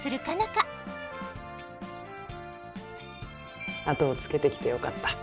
花後をつけてきてよかった。